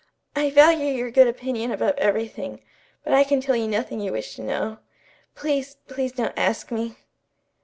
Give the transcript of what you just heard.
"I value your good opinion above everything, but I can tell you nothing you wish to know. Please, please don't ask me."